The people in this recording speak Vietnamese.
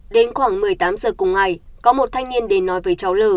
đến khoảng một mươi tám giờ cùng ngày có một thanh niên đến nói với cháu l